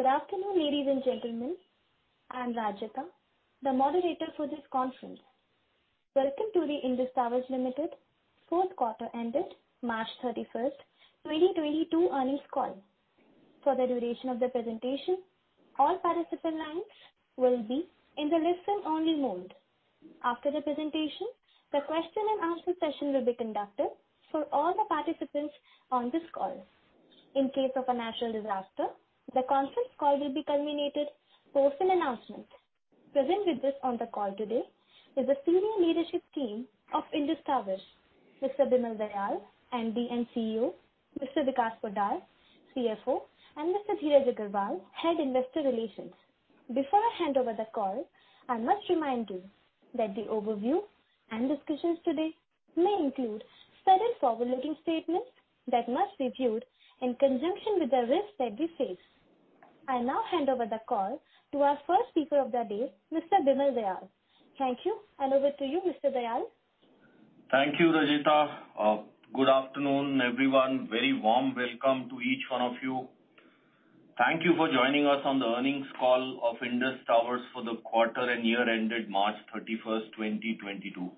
Good afternoon, ladies and gentlemen. I'm Rajyita, the moderator for this conference. Welcome to the Indus Towers Limited fourth quarter ended March 31, 2022 earnings call. For the duration of the presentation, all participant lines will be in the listen-only mode. After the presentation, the question-and-answer session will be conducted for all the participants on this call. In case of a natural disaster, the conference call will be terminated for full announcement. Present with us on the call today is the senior leadership team of Indus Towers, Mr. Bimal Dayal, MD and CEO, Mr. Vikas Poddar, CFO, and Mr. Dheeraj Agarwal, Head Investor Relations. Before I hand over the call, I must remind you that the overview and discussions today may include certain forward-looking statements that must be viewed in conjunction with the risks that we face. I now hand over the call to our first speaker of the day, Mr. Bimal Dayal. Thank you, and over to you, Mr. Dayal. Thank you, Rajyita. Good afternoon, everyone. Very warm welcome to each one of you. Thank you for joining us on the earnings call of Indus Towers for the quarter and year ended March 31, 2022.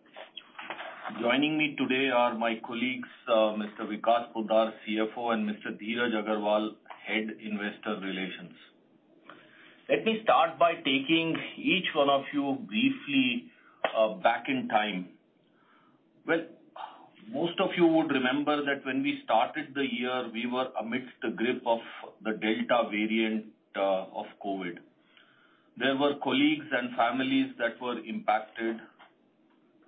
Joining me today are my colleagues, Mr. Vikas Poddar, CFO, and Mr. Dheeraj Agarwal, Head Investor Relations. Let me start by taking each one of you briefly back in time. Well, most of you would remember that when we started the year, we were amidst the grip of the Delta variant of COVID. There were colleagues and families that were impacted.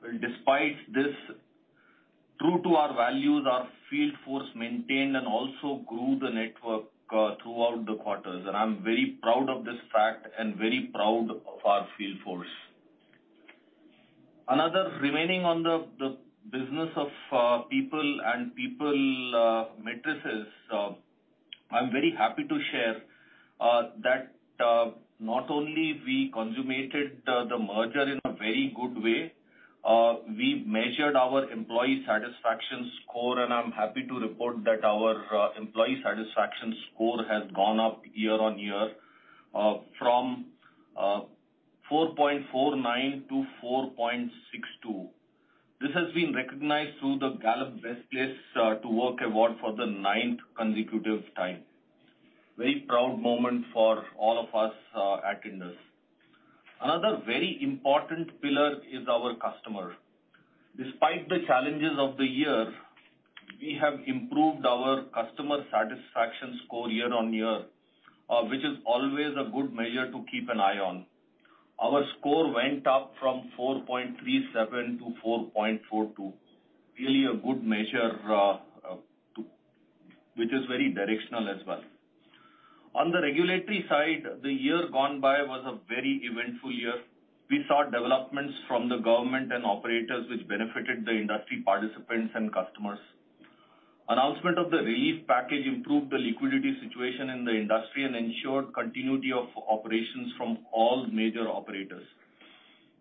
Well, despite this, true to our values, our field force maintained and also grew the network throughout the quarters, and I'm very proud of this fact and very proud of our field force. Another on the business of people metrics. I'm very happy to share that not only we consummated the merger in a very good way, we measured our employee satisfaction score, and I'm happy to report that our employee satisfaction score has gone up year-on-year from 4.49 to 4.62. This has been recognized through the Gallup Best Place to Work award for the ninth consecutive time. Very proud moment for all of us at Indus. Another very important pillar is our customer. Despite the challenges of the year, we have improved our customer satisfaction score year-on-year, which is always a good measure to keep an eye on. Our score went up from 4.37 to 4.42. Really a good measure, which is very directional as well. On the regulatory side, the year gone by was a very eventful year. We saw developments from the government and operators which benefited the industry participants and customers. Announcement of the relief package improved the liquidity situation in the industry and ensured continuity of operations from all major operators.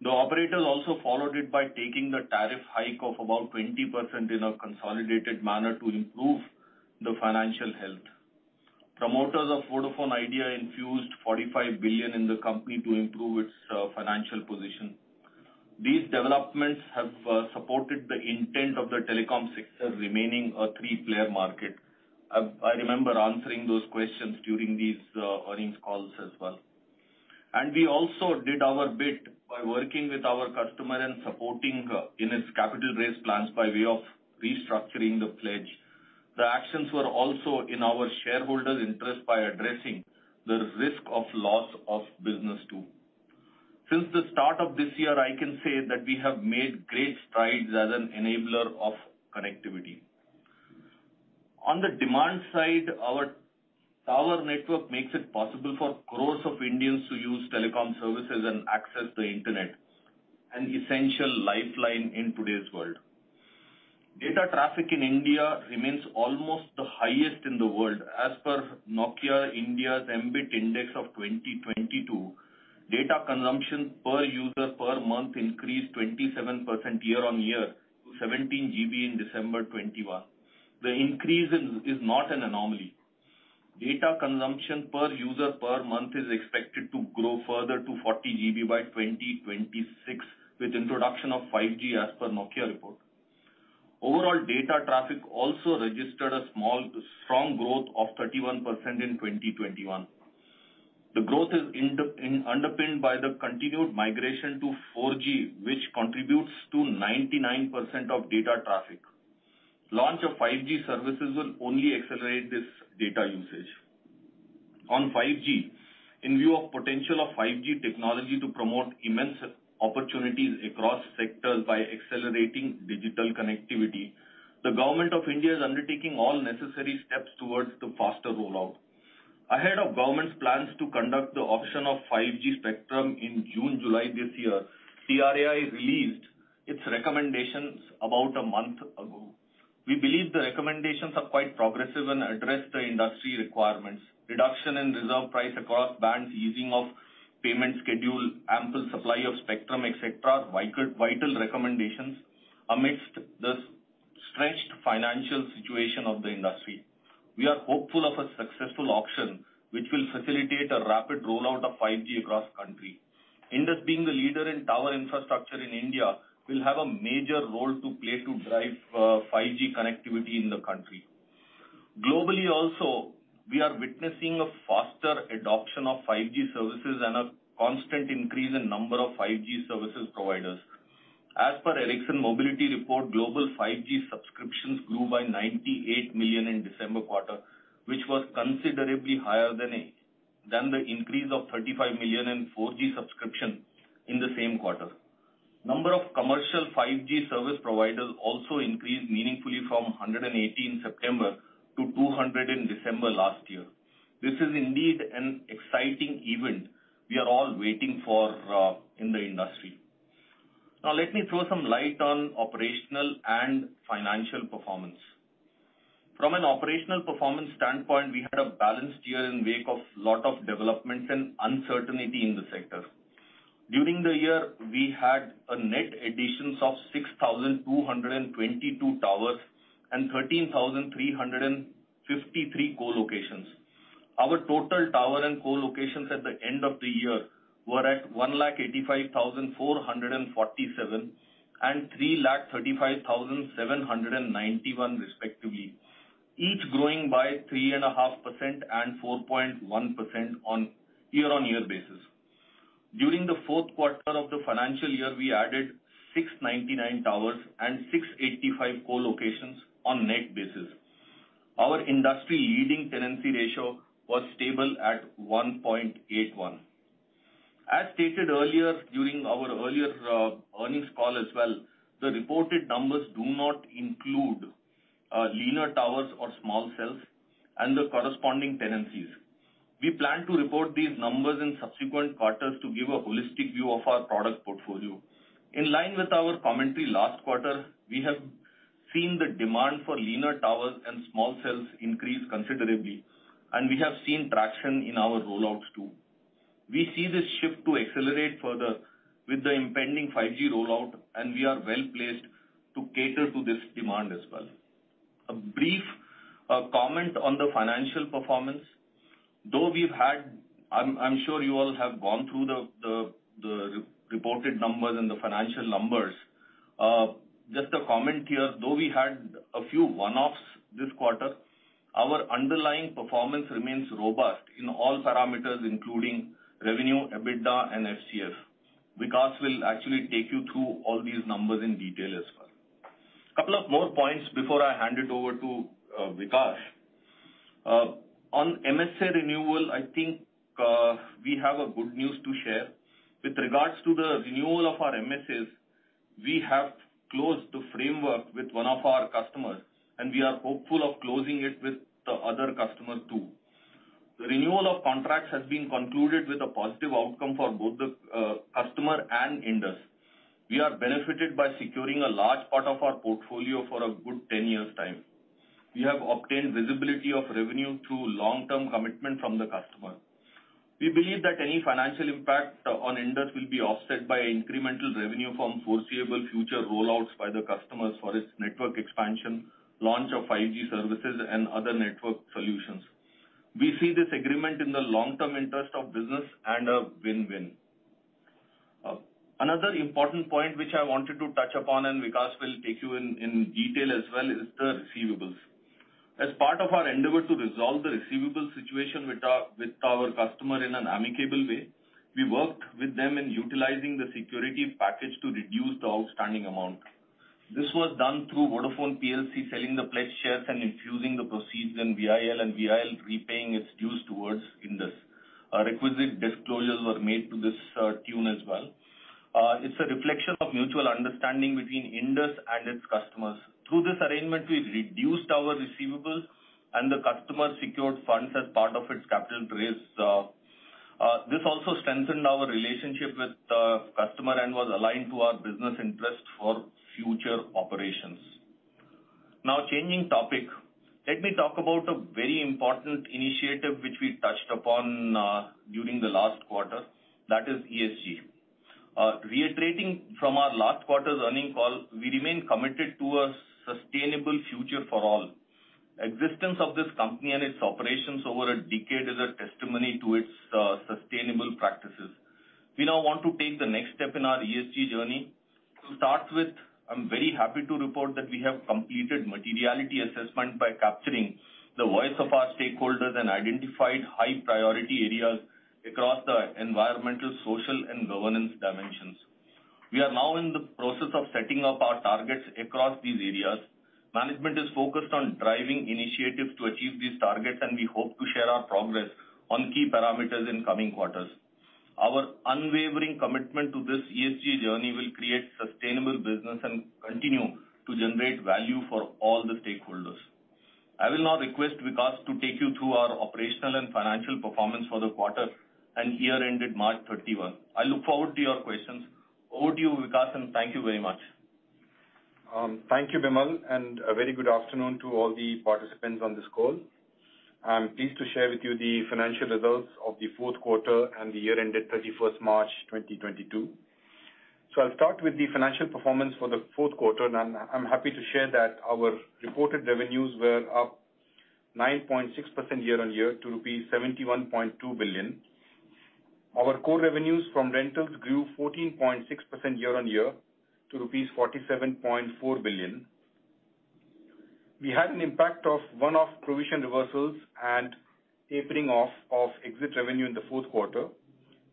The operators also followed it by taking the tariff hike of about 20% in a consolidated manner to improve the financial health. Promoters of Vodafone Idea infused 45 billion in the company to improve its financial position. These developments have supported the intent of the telecom sector remaining a three-player market. I remember answering those questions during these earnings calls as well. We also did our bit by working with our customer and supporting in its capital raise plans by way of restructuring the pledge. The actions were also in our shareholders' interest by addressing the risk of loss of business too. Since the start of this year, I can say that we have made great strides as an enabler of connectivity. On the demand side, our tower network makes it possible for crores of Indians to use telecom services and access the Internet, an essential lifeline in today's world. Data traffic in India remains almost the highest in the world. As per Nokia India's MBiT index of 2022, data consumption per user per month increased 27% year-over-year to 17 GB in December 2021. The increase is not an anomaly. Data consumption per user per month is expected to grow further to 40 GB by 2026, with introduction of 5G as per Nokia report. Overall data traffic also registered a small, strong growth of 31% in 2021. The growth is underpinned by the continued migration to 4G, which contributes to 99% of data traffic. Launch of 5G services will only accelerate this data usage. On 5G, in view of potential of 5G technology to promote immense opportunities across sectors by accelerating digital connectivity, the Government of India is undertaking all necessary steps towards the faster rollout. Ahead of government's plans to conduct the auction of 5G spectrum in June, July this year, TRAI released its recommendations about a month ago. We believe the recommendations are quite progressive and address the industry requirements. Reduction in reserve price across bands, easing of payment schedule, ample supply of spectrum, etc, are vital recommendations. Amidst the stretched financial situation of the industry, we are hopeful of a successful auction which will facilitate a rapid rollout of 5G across country. Indus being the leader in tower infrastructure in India will have a major role to play to drive 5G connectivity in the country. Globally also, we are witnessing a faster adoption of 5G services and a constant increase in number of 5G services providers. As per Ericsson Mobility Report, global 5G subscriptions grew by 98 million in December quarter, which was considerably higher than the increase of 35 million in 4G subscription in the same quarter. Number of commercial 5G service providers also increased meaningfully from 180 in September to 200 in December last year. This is indeed an exciting event we are all waiting for, in the industry. Now let me throw some light on operational and financial performance. From an operational performance standpoint, we had a balanced year in wake of lot of developments and uncertainty in the sector. During the year, we had a net additions of 6,222 towers and 13,353 co-locations. Our total tower and co-locations at the end of the year were at 185,447, and 335,791 respectively, each growing by 3.5% and 4.1% on year-on-year basis. During the fourth quarter of the financial year, we added 699 towers and 685 co-locations on net basis. Our industry leading tenancy ratio was stable at 1.81. As stated earlier during our earlier earnings call as well, the reported numbers do not include linear towers or small cells and the corresponding tenancies. We plan to report these numbers in subsequent quarters to give a holistic view of our product portfolio. In line with our commentary last quarter, we have seen the demand for linear towers and small cells increase considerably, and we have seen traction in our rollouts too. We see this shift to accelerate further with the impending 5G rollout, and we are well-placed to cater to this demand as well. A brief comment on the financial performance. I'm sure you all have gone through the re-reported numbers and the financial numbers. Just a comment here. Though we had a few one-offs this quarter, our underlying performance remains robust in all parameters, including revenue, EBITDA and FCF. Vikas will actually take you through all these numbers in detail as well. Couple of more points before I hand it over to Vikas. On MSA renewal, I think we have good news to share. With regards to the renewal of our MSAs, we have closed the framework with one of our customers, and we are hopeful of closing it with the other customer too. The renewal of contracts has been concluded with a positive outcome for both the customer and Indus. We are benefited by securing a large part of our portfolio for a good 10 years' time. We have obtained visibility of revenue through long-term commitment from the customer. We believe that any financial impact on Indus will be offset by incremental revenue from foreseeable future rollouts by the customers for its network expansion, launch of 5G services and other network solutions. We see this agreement in the long-term interest of business and a win-win. Another important point which I wanted to touch upon, and Vikas will take you in detail as well, is the receivables. As part of our endeavor to resolve the receivables situation with our customer in an amicable way, we worked with them in utilizing the security package to reduce the outstanding amount. This was done through Vodafone PLC selling the pledged shares and infusing the proceeds in VIL, and VIL repaying its dues towards Indus. Requisite disclosures were made to this tune as well. It's a reflection of mutual understanding between Indus and its customers. Through this arrangement, we reduced our receivables and the customer secured funds as part of its capital raise. This also strengthened our relationship with the customer and was aligned to our business interest for future operations. Now changing topic, let me talk about a very important initiative which we touched upon during the last quarter, that is ESG. Reiterating from our last quarter's earnings call, we remain committed to a sustainable future for all. Existence of this company and its operations over a decade is a testimony to its sustainable practices. We now want to take the next step in our ESG journey. To start with, I'm very happy to report that we have completed materiality assessment by capturing the voice of our stakeholders and identified high priority areas across the environmental, social and governance dimensions. We are now in the process of setting up our targets across these areas. Management is focused on driving initiatives to achieve these targets, and we hope to share our progress on key parameters in coming quarters. Our unwavering commitment to this ESG journey will create sustainable business and continue to generate value for all the stakeholders. I will now request Vikas to take you through our operational and financial performance for the quarter and year ended March 31. I look forward to your questions. Over to you, Vikas, and thank you very much. Thank you, Bimal, and a very good afternoon to all the participants on this call. I'm pleased to share with you the financial results of the fourth quarter and the year ended March 31, 2022. I'll start with the financial performance for the fourth quarter, and I'm happy to share that our reported revenues were up 9.6% year-on-year to rupees 71.2 billion. Our core revenues from rentals grew 14.6% year-on-year to rupees 47.4 billion. We had an impact of one-off provision reversals and tapering off of exit revenue in the fourth quarter,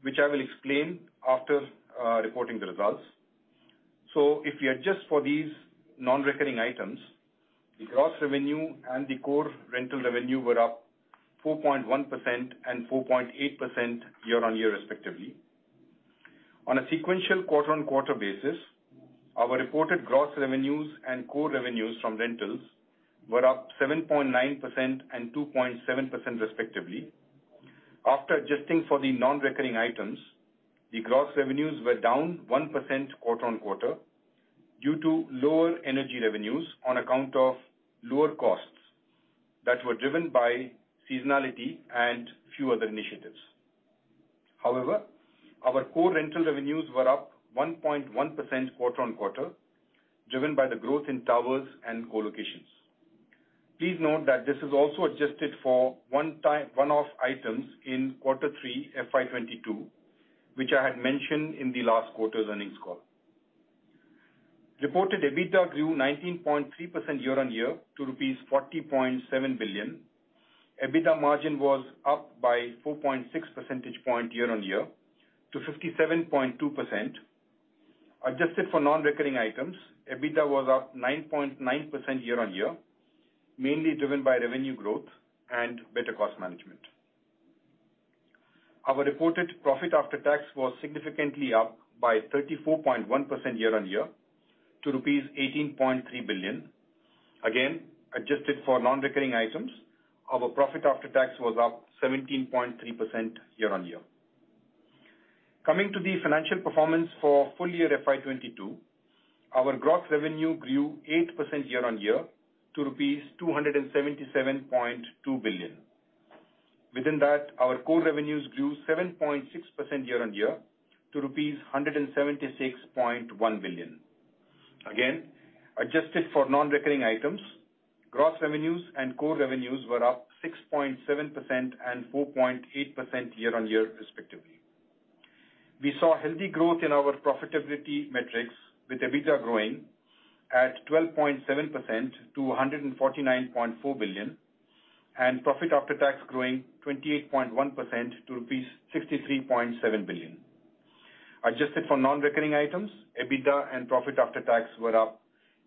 which I will explain after reporting the results. If you adjust for these non-recurring items, the gross revenue and the core rental revenue were up 4.1% and 4.8% year-on-year respectively. On a sequential quarter-on-quarter basis, our reported gross revenues and core revenues from rentals were up 7.9% and 2.7% respectively. After adjusting for the non-recurring items, the gross revenues were down 1% quarter-on-quarter due to lower energy revenues on account of lower costs that were driven by seasonality and few other initiatives. However, our core rental revenues were up 1.1% quarter-on-quarter, driven by the growth in towers and co-locations. Please note that this is also adjusted for one-off items in quarter three FY 2022, which I had mentioned in the last quarter's earnings call. Reported EBITDA grew 19.3% year-on-year to rupees 40.7 billion. EBITDA margin was up by 4.6 percentage point year-on-year to 57.2%. Adjusted for non-recurring items, EBITDA was up 9.9% year-on-year, mainly driven by revenue growth and better cost management. Our reported profit after tax was significantly up by 34.1% year-on-year to rupees 18.3 billion. Again, adjusted for non-recurring items, our profit after tax was up 17.3% year-on-year. Coming to the financial performance for full year FY 2022, our gross revenue grew 8% year-on-year to rupees 277.2 billion. Within that, our core revenues grew 7.6% year-on-year to INR 176.1 billion. Again, adjusted for non-recurring items, gross revenues and core revenues were up 6.7% and 4.8% year-on-year respectively. We saw healthy growth in our profitability metrics, with EBITDA growing at 12.7% to 149.4 billion, and profit after tax growing 28.1% to rupees 63.7 billion. Adjusted for non-recurring items, EBITDA and profit after tax were up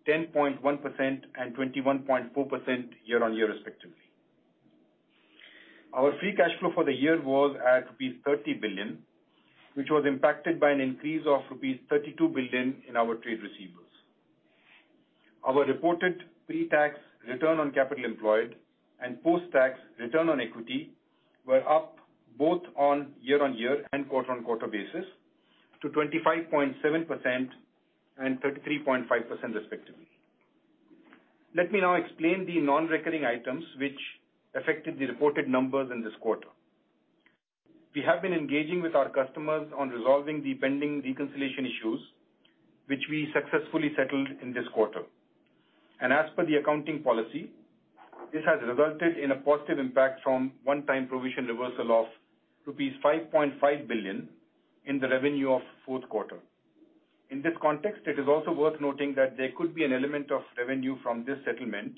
10.1% and 21.4% year-on-year respectively. Our Free Cash Flow for the year was at rupees 30 billion, which was impacted by an increase of rupees 32 billion in our trade receivables. Our reported pre-tax return on capital employed and post-tax return on equity were up both on year-on-year and quarter-on-quarter basis to 25.7% and 33.5% respectively. Let me now explain the non-recurring items which affected the reported numbers in this quarter. We have been engaging with our customers on resolving the pending reconciliation issues which we successfully settled in this quarter. As per the accounting policy, this has resulted in a positive impact from one-time provision reversal of rupees 5.5 billion in the revenue of fourth quarter. In this context, it is also worth noting that there could be an element of revenue from this settlement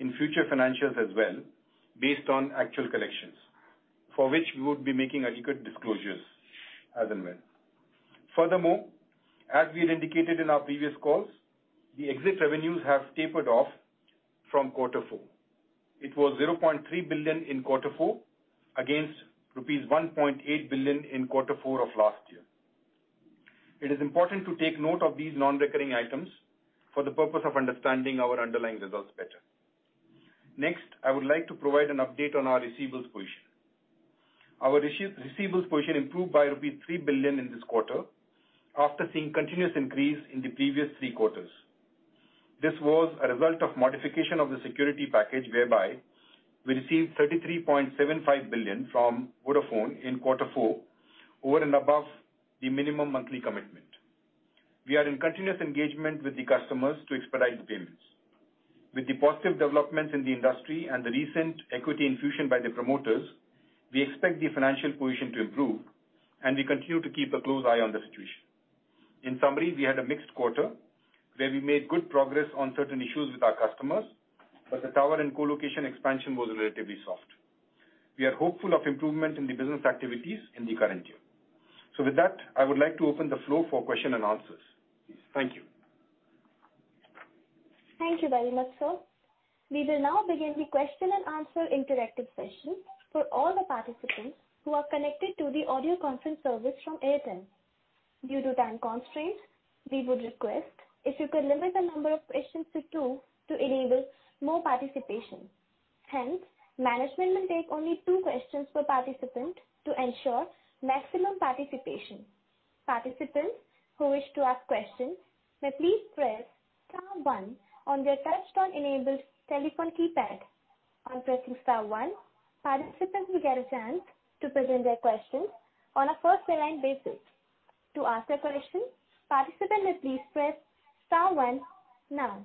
in future financials as well, based on actual collections, for which we would be making adequate disclosures as and when. Furthermore, as we had indicated in our previous calls, the exit revenues have tapered off from quarter four. It was 0.3 billion in quarter four against rupees 1.8 billion in quarter four of last year. It is important to take note of these non-recurring items for the purpose of understanding our underlying results better. Next, I would like to provide an update on our receivables position. Our receivables position improved by rupees 3 billion in this quarter after seeing continuous increase in the previous three quarters. This was a result of modification of the security package whereby we received 33.75 billion from Vodafone in quarter four, over and above the minimum monthly commitment. We are in continuous engagement with the customers to expedite the payments. With the positive developments in the industry and the recent equity infusion by the promoters, we expect the financial position to improve, and we continue to keep a close eye on the situation. In summary, we had a mixed quarter where we made good progress on certain issues with our customers, but the tower and co-location expansion was relatively soft. We are hopeful of improvement in the business activities in the current year. With that, I would like to open the floor for question-and-answers. Thank you. Thank you very much, sir. We will now begin the question-and-answer interactive session for all the participants who are connected to the audio conference service from Airtel. Due to time constraints, we would request if you could limit the number of questions to two to enable more participation. Hence, management will take only two questions per participant to ensure maximum participation. Participants who wish to ask questions may please press star one on their touchtone enabled telephone keypad. On pressing star one, participants will get a chance to present their questions on a first line basis. To ask a question, participant may please press star one now.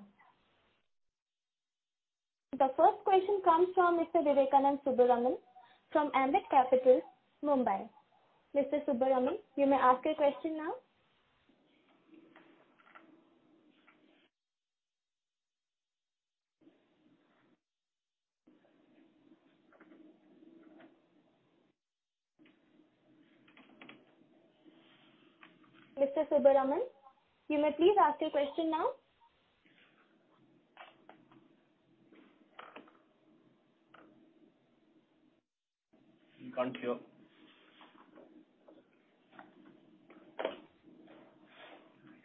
The first question comes from Mr. Vivekanand Subbaraman from Ambit Capital, Mumbai. Mr. Subbaraman, you may ask your question now. Mr. Subbaraman, you may please ask your question now. We can't hear.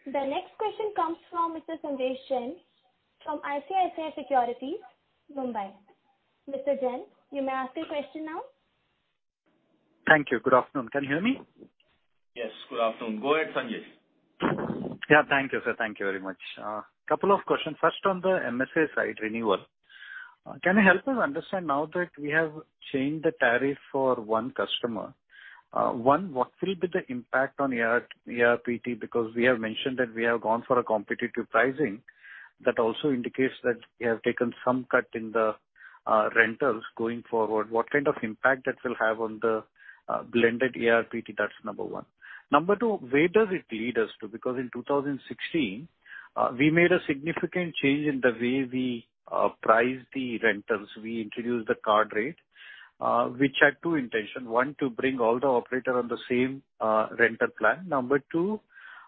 The next question comes from Mr. Sanjesh Jain from ICICI Securities, Mumbai. Mr. Jain, you may ask your question now. Thank you. Good afternoon. Can you hear me? Yes, good afternoon. Go ahead, Sanjesh. Yeah, thank you, sir. Thank you very much. Couple of questions. First, on the MSA site renewal, can you help us understand now that we have changed the tariff for one customer, what will be the impact on the ARPT? Because we have mentioned that we have gone for a competitive pricing. That also indicates that we have taken some cut in the rentals going forward. What kind of impact that will have on the blended ARPT? That's number one. Number two, where does it lead us to? Because in 2016, we made a significant change in the way we priced the rentals. We introduced the card rate, which had two intentions. One, to bring all the operators on the same rental plan. Number two,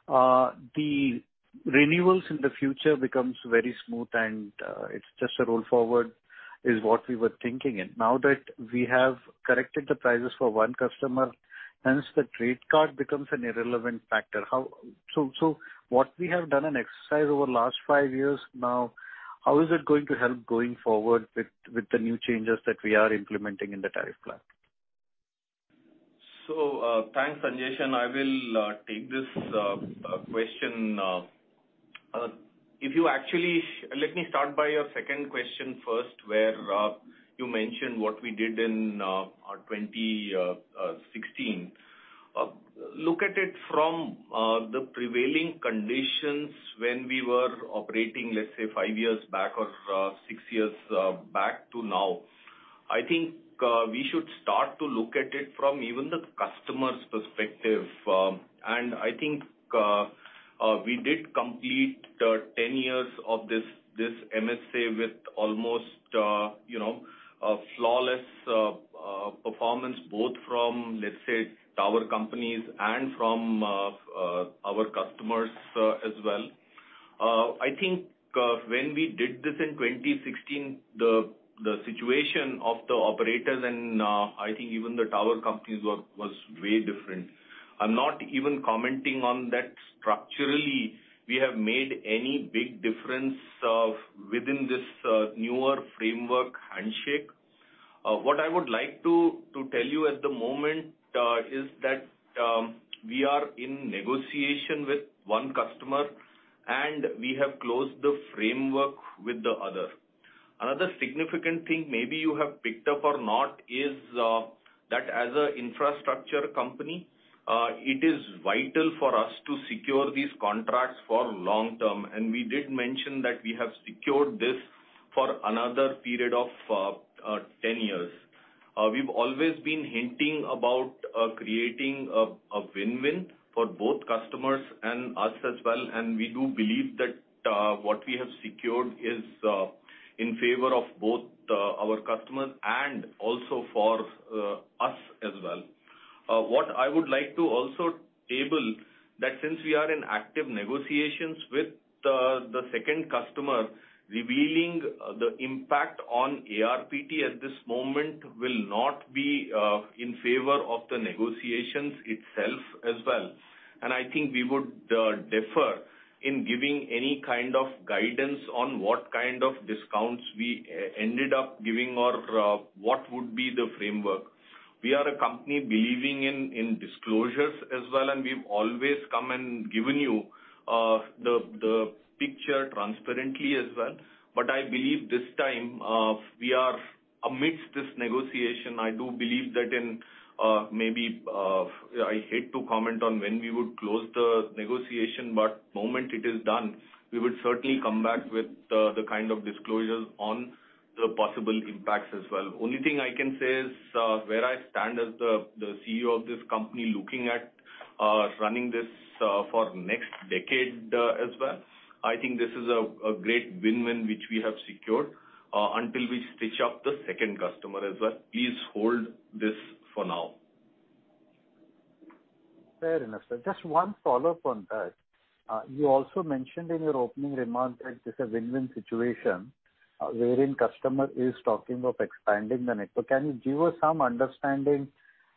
the renewals in the future becomes very smooth and, it's just a roll forward, is what we were thinking. Now that we have corrected the prices for one customer, hence the tariff card becomes an irrelevant factor. So what we have done an exercise over last five years now, how is it going to help going forward with the new changes that we are implementing in the tariff plan? Thanks, Sanjesh. I will take this question. Let me start with your second question first, where you mentioned what we did in 2016. Look at it from the prevailing conditions when we were operating, let's say five years back or six years back to now. I think we should start to look at it from even the customer's perspective. I think we did complete the 10 years of this MSA with almost, you know, a flawless performance both from, let's say, tower companies and from our customers, as well. I think when we did this in 2016, the situation of the operators and I think even the tower companies was way different. I'm not even commenting on that structurally we have made any big difference within this newer framework handshake. What I would like to tell you at the moment is that we are in negotiation with one customer and we have closed the framework with the other. Another significant thing maybe you have picked up or not is that as an infrastructure company it is vital for us to secure these contracts for long term. We did mention that we have secured this for another period of 10 years. We've always been hinting about creating a win-win for both customers and us as well. We do believe that what we have secured is in favor of both our customers and also for us as well. What I would like to also table that since we are in active negotiations with the second customer, revealing the impact on ARPT at this moment will not be in favor of the negotiations itself as well. I think we would defer in giving any kind of guidance on what kind of discounts we ended up giving or what would be the framework. We are a company believing in disclosures as well, and we've always come and given you the picture transparently as well. I believe this time we are amidst this negotiation. I do believe that in maybe I hate to comment on when we would close the negotiation, but moment it is done, we would certainly come back with the kind of disclosures on the possible impacts as well. Only thing I can say is where I stand as the CEO of this company looking at running this for next decade as well. I think this is a great win-win which we have secured until we stitch up the second customer as well. Please hold this for now. Fair enough, sir. Just one follow-up on that. You also mentioned in your opening remarks that it's a win-win situation, wherein customer is talking of expanding the network. Can you give us some understanding,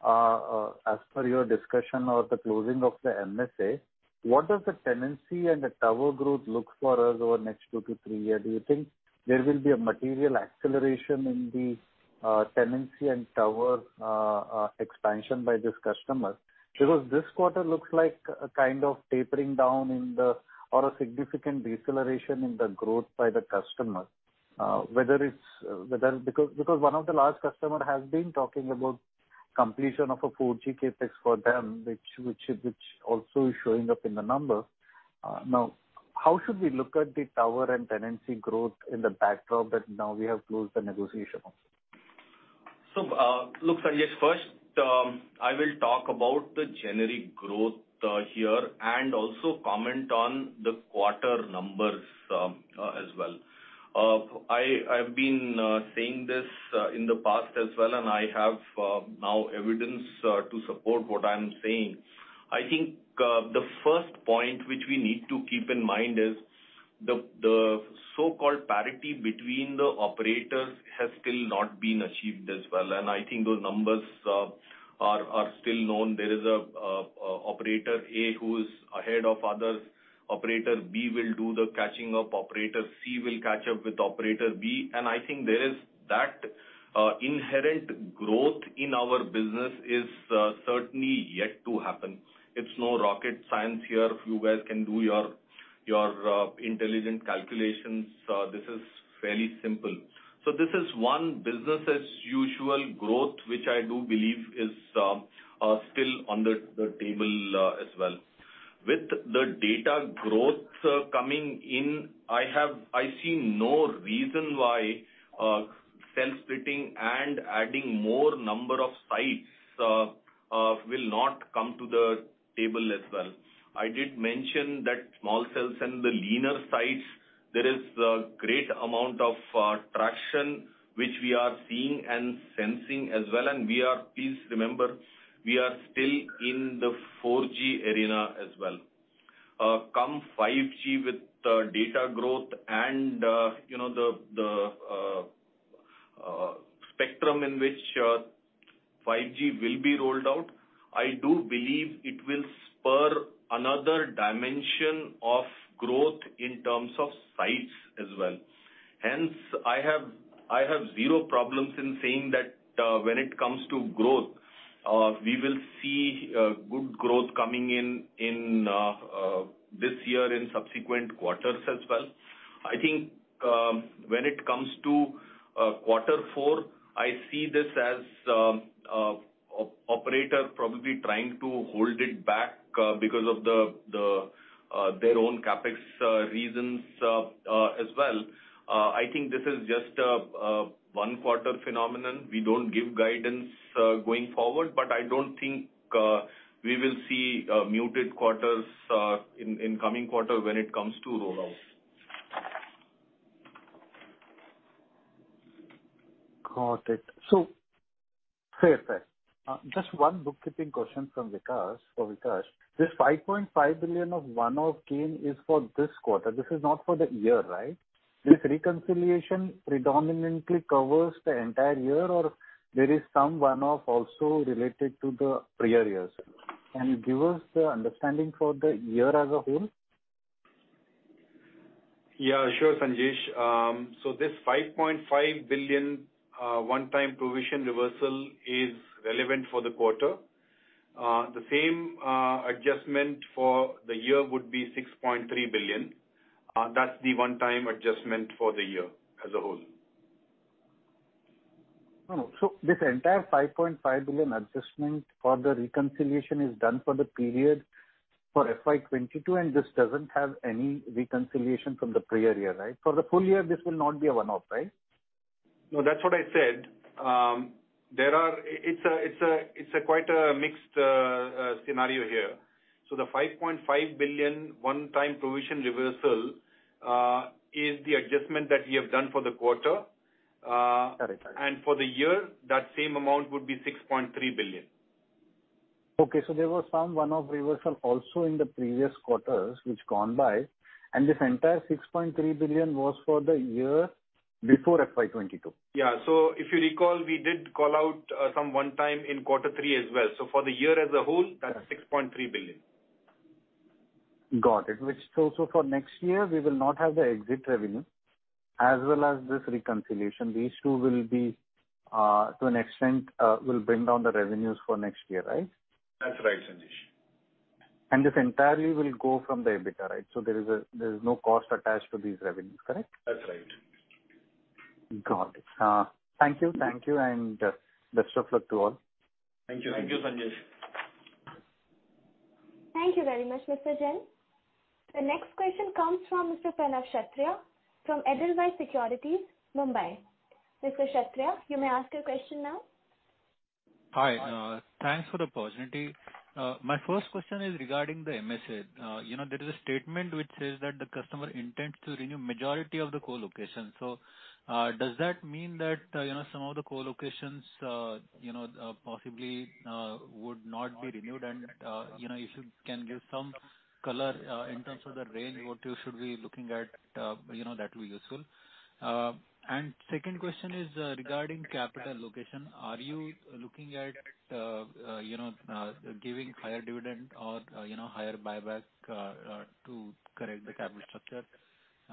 as per your discussion or the closing of the MSA. What does the tenancy and the tower growth look for us over the next two to three years? Do you think there will be a material acceleration in the tenancy and tower expansion by this customer? Because this quarter looks like a kind of tapering down or a significant deceleration in the growth by the customer. Because one of the large customer has been talking about completion of a 4G CapEx for them, which also is showing up in the numbers. Now, how should we look at the tower and tenancy growth in the backdrop that now we have closed the negotiation also? Look, Sanjesh, first, I will talk about the generic growth here and also comment on the quarter numbers as well. I've been saying this in the past as well, and I have now evidence to support what I'm saying. I think the first point which we need to keep in mind is the so-called parity between the operators has still not been achieved as well. I think those numbers are still known. There is a operator A who is ahead of others. Operator B will do the catching up. Operator C will catch up with operator B. I think there is that inherent growth in our business is certainly yet to happen. It's no rocket science here. You guys can do your intelligent calculations. This is fairly simple. This is one business as usual growth, which I do believe is still on the table as well. With the data growth coming in, I see no reason why cell splitting and adding more number of sites will not come to the table as well. I did mention that small cells and the leaner sites, there is a great amount of traction which we are seeing and sensing as well. Please remember, we are still in the 4G arena as well. Come 5G with the data growth and you know the spectrum in which 5G will be rolled out, I do believe it will spur another dimension of growth in terms of sites as well. Hence, I have zero problems in saying that, when it comes to growth, we will see good growth coming in this year in subsequent quarters as well. I think, when it comes to quarter four, I see this as operator probably trying to hold it back because of their own CapEx reasons as well. I think this is just a one quarter phenomenon. We don't give guidance going forward, but I don't think we will see muted quarters in coming quarters when it comes to rollouts. Got it. Fair. Just one bookkeeping question from Vikas, for Vikas. This 5.5 billion of one-off gain is for this quarter. This is not for the year, right? No. This reconciliation predominantly covers the entire year or there is some one-off also related to the prior years? Can you give us the understanding for the year as a whole? Yeah, sure, Sanjesh. This 5.5 billion one-time provision reversal is relevant for the quarter. The same adjustment for the year would be 6.3 billion. That's the one-time adjustment for the year as a whole. Oh. This entire 5.5 billion adjustment for the reconciliation is done for the period for FY 2022, and this doesn't have any reconciliation from the prior year, right? For the full year, this will not be a one-off, right? No, that's what I said. It's a quite a mixed scenario here. The 5.5 billion one-time provision reversal is the adjustment that we have done for the quarter. Correct. For the year, that same amount would be 6.3 billion. Okay. There was some one-off reversal also in the previous quarters which gone by, and this entire 6.3 billion was for the year before FY 2022. Yeah. If you recall, we did call out some one-time in quarter three as well. For the year as a whole, that's 6.3 billion. Got it. For next year, we will not have the exit revenue as well as this reconciliation. These two will be, to an extent, will bring down the revenues for next year, right? That's right, Sanjesh. This entirely will go from the EBITDA, right? There is no cost attached to these revenues, correct? That's right. Got it. Thank you. Thank you, and best of luck to all. Thank you. Thank you, Sanjesh. Thank you very much, Mr. Jain. The next question comes from Mr. Pranav Kshatriya from Edelweiss Securities, Mumbai. Mr. Kshatriya, you may ask your question now. Hi. Thanks for the opportunity. My first question is regarding the MSA. You know, there is a statement which says that the customer intends to renew majority of the co-locations. Does that mean that, you know, some of the co-locations, you know, possibly, would not be renewed? You know, if you can give some color, in terms of the range, what you should be looking at, you know, that will be useful. Second question is regarding capital allocation. Are you looking at, you know, giving higher dividend or, you know, higher buyback, to correct the capital structure?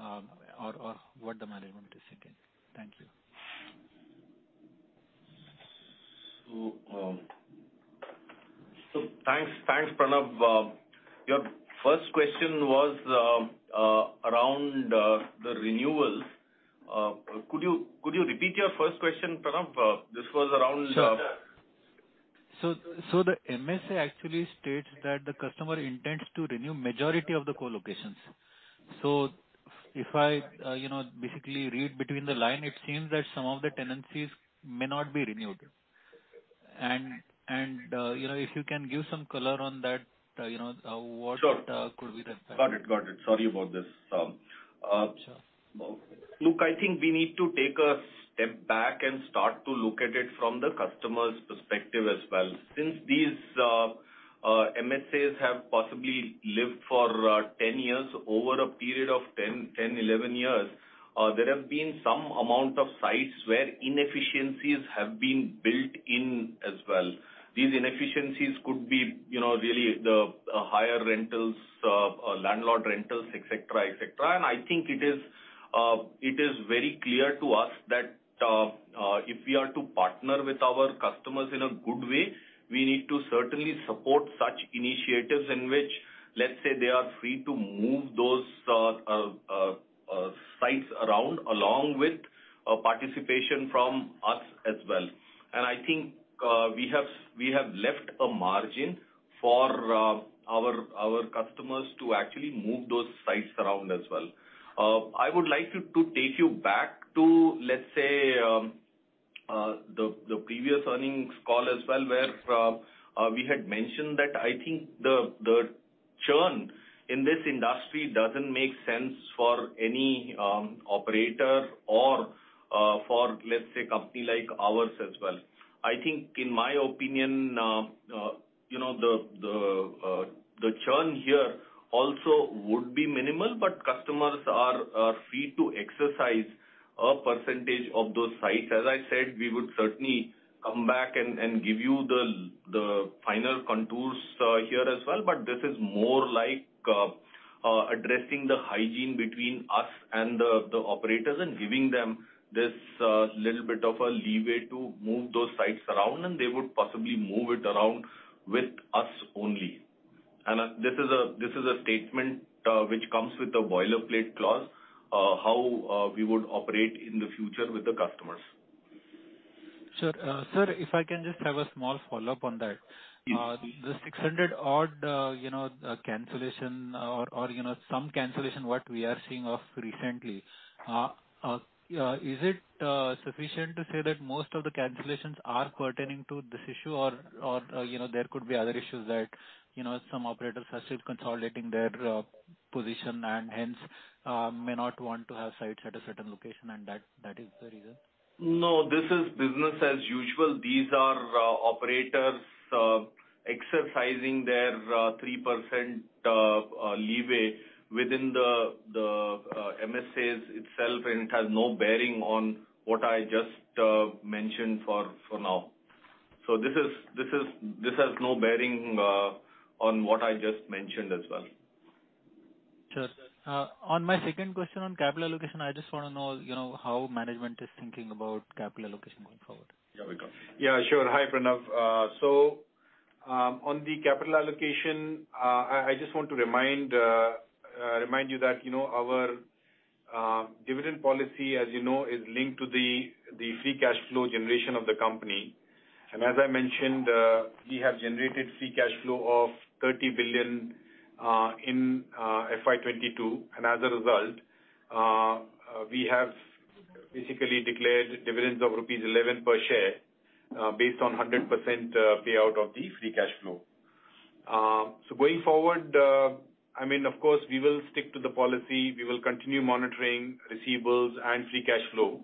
Or what the management is thinking. Thank you. Thanks, Pranav. Your first question was around the renewals. Could you repeat your first question, Pranav? Sure. The MSA actually states that the customer intends to renew majority of the co-locations. If I, you know, basically read between the lines, it seems that some of the tenancies may not be renewed. You know, if you can give some color on that, you know, what? Sure. Could we expect? Got it. Sorry about this. Sure. Look, I think we need to take a step back and start to look at it from the customer's perspective as well. Since these MSAs have possibly lived for 10 years over a period of 10, 11 years, there have been some amount of sites where inefficiencies have been built in as well. These inefficiencies could be, you know, really the higher rentals, landlord rentals, etc. I think it is very clear to us that if we are to partner with our customers in a good way, we need to certainly support such initiatives in which, let's say, they are free to move those sites around, along with participation from us as well. I think we have left a margin for our customers to actually move those sites around as well. I would like to take you back to, let's say, the previous earnings call as well, where we had mentioned that I think the churn in this industry doesn't make sense for any operator or for, let's say, company like ours as well. I think in my opinion, you know, the churn here also would be minimal, but customers are free to exercise a percentage of those sites. As I said, we would certainly come back and give you the final contours here as well, but this is more like addressing the hygiene between us and the operators and giving them this little bit of a leeway to move those sites around, and they would possibly move it around with us only. This is a statement which comes with a boilerplate clause how we would operate in the future with the customers. Sir, if I can just have a small follow-up on that. Yes, please. The 600-odd, you know, cancellation or, you know, some cancellation what we are seeing of recently, is it sufficient to say that most of the cancellations are pertaining to this issue or, you know, there could be other issues that, you know, some operators are still consolidating their position and hence may not want to have sites at a certain location and that is the reason? No, this is business as usual. These are operators exercising their 3% leeway within the MSAs itself, and it has no bearing on what I just mentioned for now. This has no bearing on what I just mentioned as well. Sure. On my second question on capital allocation, I just wanna know, you know, how management is thinking about capital allocation going forward. Yeah, welcome. Yeah, sure. Hi, Pranav. So, on the capital allocation, I just want to remind you that, you know, our dividend policy, as you know, is linked to the Free Cash Flow generation of the company. As I mentioned, we have generated Free Cash Flow of 30 billion in FY 2022, and as a result, we have basically declared dividends of rupees 11 per share based on 100% payout of the Free Cash Flow. So going forward, I mean, of course, we will stick to the policy. We will continue monitoring receivables and Free Cash Flow.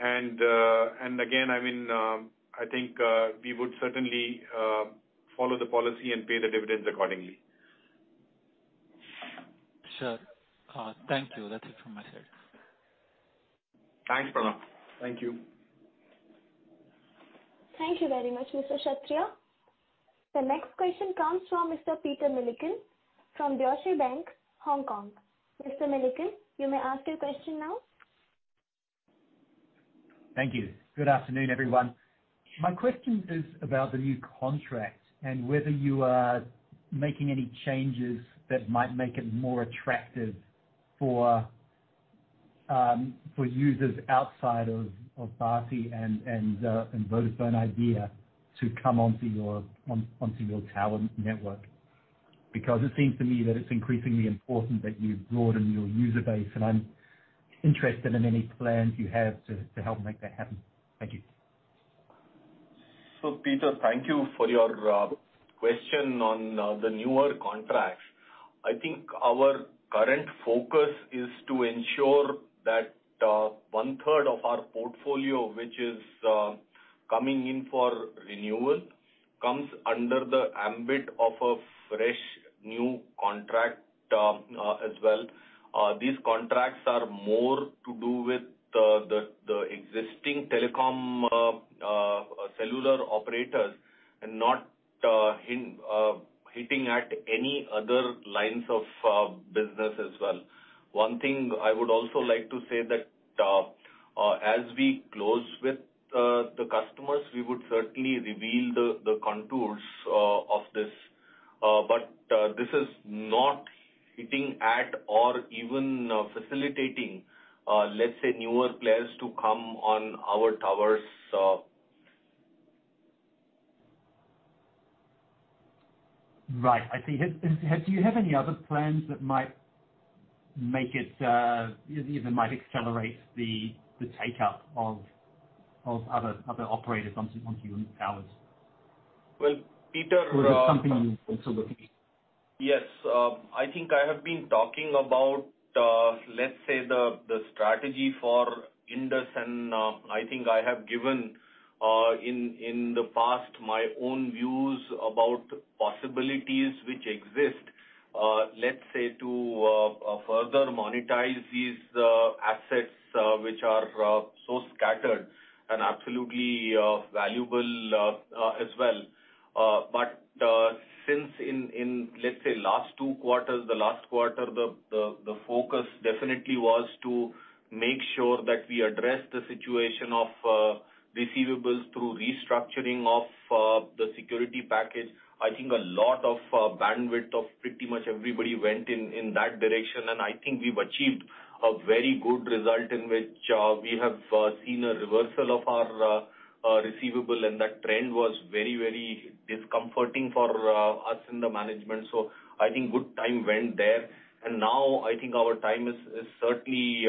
Again, I mean, I think we would certainly follow the policy and pay the dividends accordingly. Sure. Thank you. That's it from my side. Thanks, Pranav. Thank you. Thank you very much, Mr. Pranav Kshatriya. The next question comes from Mr. Peter Milliken from Deutsche Bank, Hong Kong. Mr. Milliken, you may ask your question now. Thank you. Good afternoon, everyone. My question is about the new contract and whether you are making any changes that might make it more attractive for users outside of Bharti and Vodafone Idea to come onto your tower network. Because it seems to me that it's increasingly important that you broaden your user base, and I'm interested in any plans you have to help make that happen. Thank you. Peter, thank you for your question on the newer contracts. I think our current focus is to ensure that 1/3 of our portfolio, which is coming in for renewal, comes under the ambit of a fresh new contract as well. These contracts are more to do with the existing telecom cellular operators and not hitting at any other lines of business as well. One thing I would also like to say that as we close with the customers, we would certainly reveal the contours of this. But this is not hitting at or even facilitating, let's say newer players to come on our towers. Right. I see. Do you have any other plans that might even accelerate the take-up of other operators onto your towers? Well, Peter, Is it something you're also looking at? Yes. I think I have been talking about, let's say the strategy for Indus, and I think I have given, in the past my own views about possibilities which exist, let's say to further monetize these assets, which are so scattered and absolutely valuable, as well. Since in, let's say last two quarters, the focus definitely was to make sure that we address the situation of receivables through restructuring of the security package. I think a lot of bandwidth of pretty much everybody went in that direction, and I think we've achieved a very good result in which we have seen a reversal of our receivable, and that trend was very discomforting for us in the management. I think good time went there. Now I think our time is certainly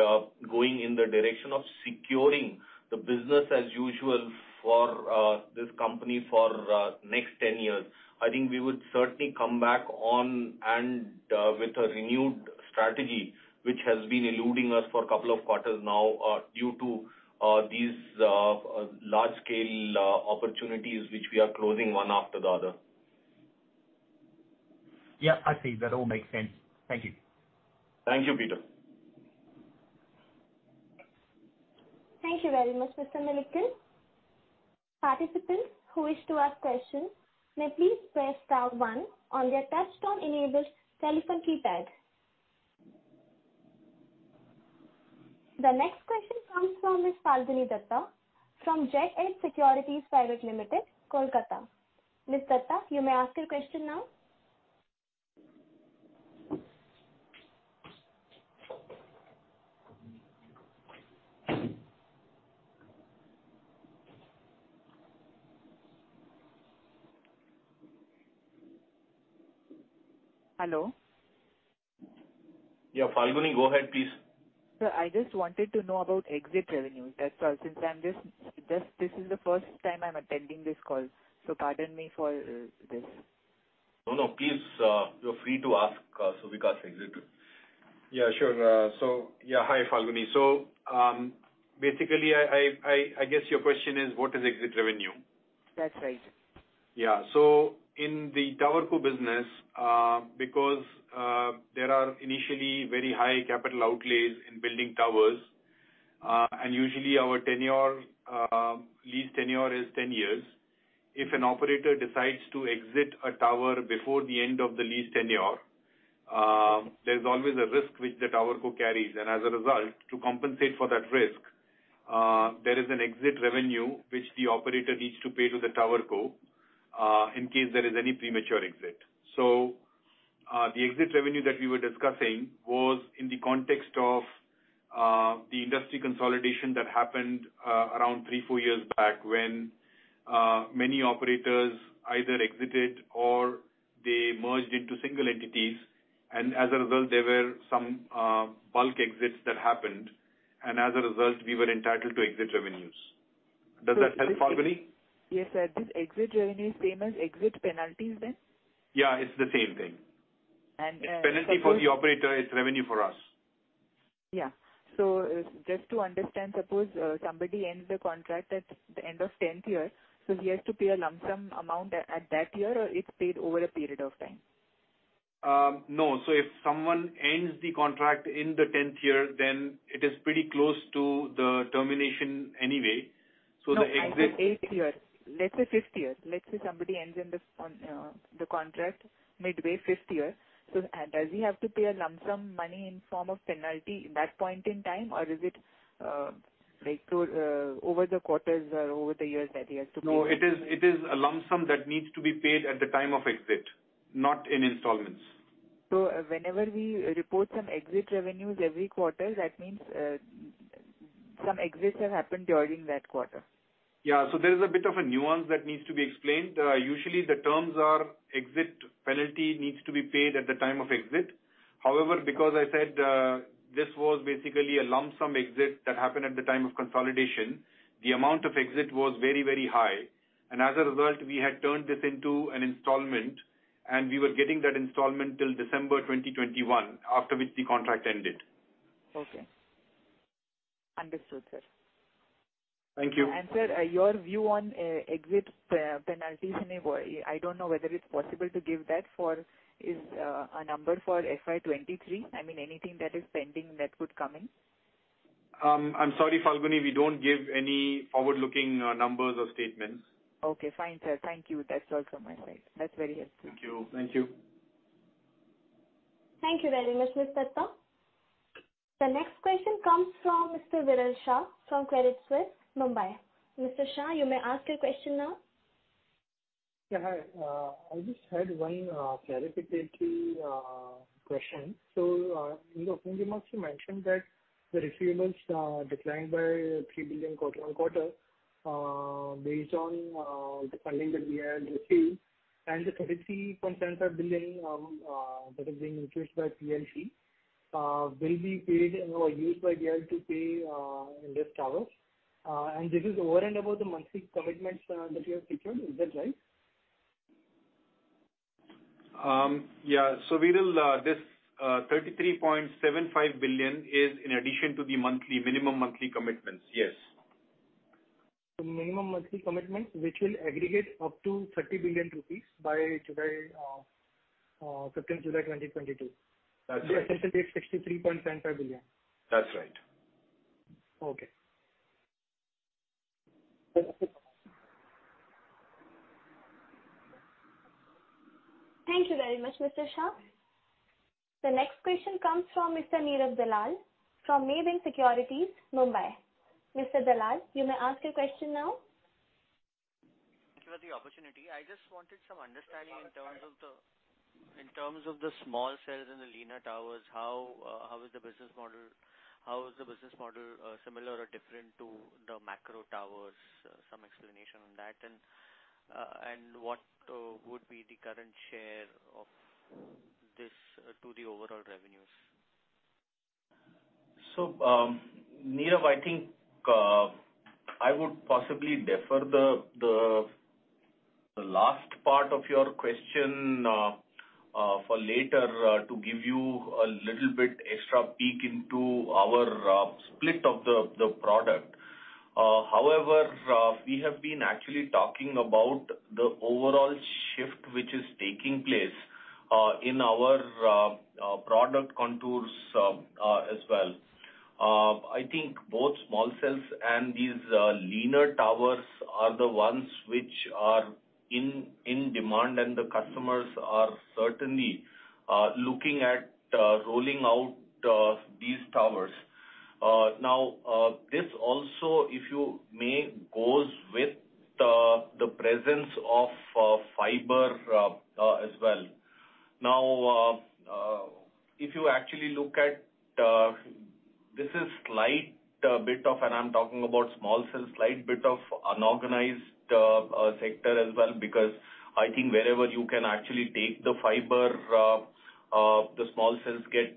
going in the direction of securing the business as usual for this company for next 10 years. I think we would certainly come back on and with a renewed strategy which has been eluding us for a couple of quarters now due to these large scale opportunities which we are closing one after the other. Yeah, I see. That all makes sense. Thank you. Thank you, Peter. Thank you very much, Mr. Milliken. Participants who wish to ask questions may please press star one on their touchtone enabled telephone keypad. The next question comes from Ms. Falguni Dutta from Jet Age Securities Private Limited, Kolkata. Ms. Dutta, you may ask your question now. Hello. Yeah, Falguni, go ahead, please. Sir, I just wanted to know about exit revenue. That's all. Since this is the first time I'm attending this call, so pardon me for this. No, no, please feel free to ask, Vikas as next. Yeah, sure. Yeah. Hi, Falguni. Basically, I guess your question is what is exit revenue? That's right. Yeah. In the tower co business, because there are initially very high capital outlays in building towers, and usually our tenure, lease tenure is 10 years. If an operator decides to exit a tower before the end of the lease tenure, there's always a risk which the tower co carries. As a result, to compensate for that risk, there is an exit revenue which the operator needs to pay to the tower co, in case there is any premature exit. The exit revenue that we were discussing was in the context of the industry consolidation that happened around three to four years back when many operators either exited or they merged into single entities. As a result, there were some bulk exits that happened. As a result, we were entitled to exit revenues. Does that help, Falguni? Yes, sir. This exit revenue is same as exit penalties then? Yeah, it's the same thing. And, and suppose- Penalty for the operator is revenue for us. Yeah. Just to understand, suppose somebody ends the contract at the end of tenth year, so he has to pay a lump sum amount at that year, or it's paid over a period of time? No. If someone ends the contract in the tenth year, then it is pretty close to the termination anyway. No, I said eighth year. Let's say fifth year. Let's say somebody ends the contract midway fifth year. Does he have to pay a lump sum money in form of penalty that point in time, or is it like through over the quarters or over the years that he has to pay? No, it is a lump sum that needs to be paid at the time of exit, not in installments. Whenever we report some exit revenues every quarter, that means some exits have happened during that quarter. Yeah. There is a bit of a nuance that needs to be explained. Usually the terms are exit penalty needs to be paid at the time of exit. However, because I said, this was basically a lump sum exit that happened at the time of consolidation, the amount of exit was very, very high. As a result, we had turned this into an installment, and we were getting that installment till December 2021, after which the contract ended. Okay. Understood, sir. Thank you. Sir, your view on exit penalties, I mean, I don't know whether it's possible to give a number for FY 2023. I mean, anything that is pending that would come in. I'm sorry, Falguni, we don't give any forward-looking numbers or statements. Okay, fine, sir. Thank you. That's all from my side. That's very helpful. Thank you. Thank you. Thank you very much, Ms. Dutta. The next question comes from Mr. Viral Shah from Credit Suisse, Mumbai. Mr. Shah, you may ask your question now. Yeah, hi. I just had one clarificatory question. In the opening remarks you mentioned that the receivables declined by 3 billion quarter-over-quarter based on the settlement that we had received, and the 33.75 billion that is being utilized by VIL will be paid or used by VIL to pay Indus Towers. This is over and above the monthly commitments that you have secured. Is that right? Viral, this 33.75 billion is in addition to the monthly, minimum monthly commitments, yes. The minimum monthly commitments, which will aggregate up to 30 billion rupees by July 15th, 2022. That's it. The effective debt INR 63.75 billion. That's right. Okay. Thank you very much, Mr. Shah. The next question comes from Mr. Neerav Dalal from Nuvama Securities, Mumbai. Neerav Dalal, you may ask your question now. Thank you for the opportunity. I just wanted some understanding in terms of the small cells in the leaner towers, how is the business model similar or different to the macro towers? Some explanation on that. What would be the current share of this to the overall revenues? Nirav, I think I would possibly defer the last part of your question for later to give you a little bit extra peek into our split of the product. However, we have been actually talking about the overall shift which is taking place in our product contours as well. I think both small cells and these leaner towers are the ones which are in demand, and the customers are certainly looking at rolling out these towers. Now, this also, if you may, goes with the presence of fiber as well. Now, if you actually look at, this is slight bit of, and I'm talking about small cells, slight bit of unorganized sector as well, because I think wherever you can actually take the fiber, the small cells get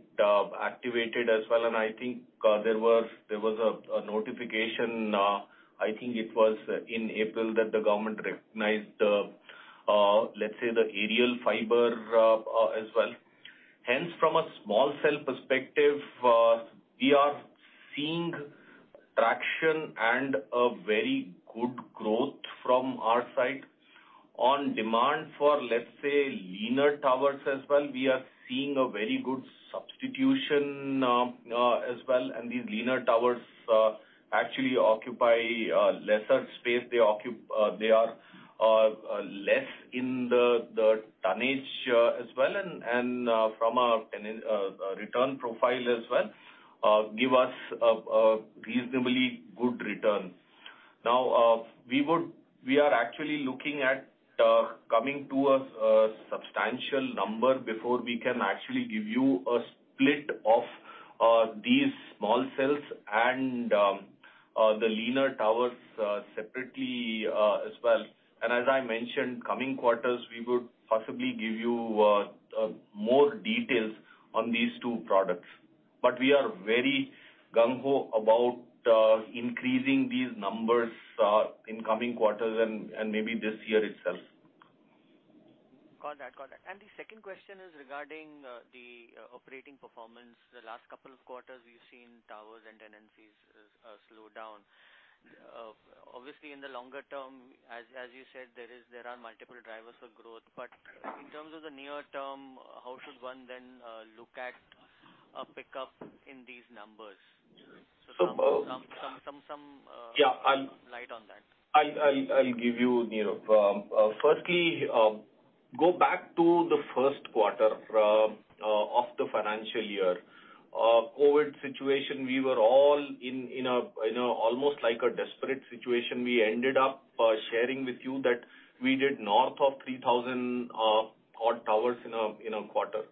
activated as well. I think there was a notification, I think it was in April, that the government recognized, let's say the aerial fiber, as well. Hence, from a small cell perspective, we are seeing traction and a very good growth from our side. On demand for, let's say, leaner towers as well, we are seeing a very good substitution, as well. These leaner towers actually occupy lesser space. They are less in the tonnage, as well. From a return profile as well, give us a reasonably good return. We are actually looking at coming to a substantial number before we can actually give you a split of these small cells and the leaner towers separately as well. As I mentioned, coming quarters we would possibly give you more details on these two products. We are very gung ho about increasing these numbers in coming quarters and maybe this year itself. Got that. The second question is regarding the operating performance. The last couple of quarters, we've seen towers and tenant fees slow down. Obviously, in the longer term, as you said, there are multiple drivers for growth. In terms of the near term, how should one then look at a pickup in these numbers? So, uh- Some Yeah. Shed light on that. I'll give you, Neerav. Firstly, go back to the first quarter of the financial year. COVID situation, we were all in almost like a desperate situation. We ended up sharing with you that we did north of 3,000 odd towers in a quarter.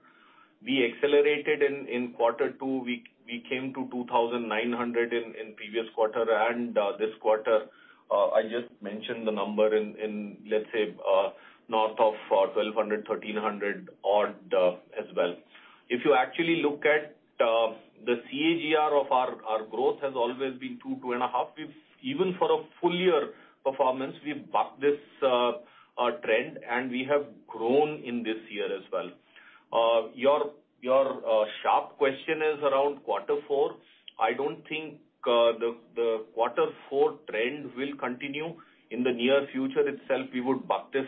We accelerated in quarter two. We came to 2,900 in previous quarter. This quarter, I just mentioned the number in, let's say, north of 1,200, 1,300 odd, as well. If you actually look at the CAGR of our growth has always been 2%-2.5%. Even for a full year performance, we've bucked this trend, and we have grown in this year as well. Your sharp question is around quarter four. I don't think. The quarter four trend will continue in the near future itself. We would back this